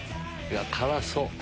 辛そう。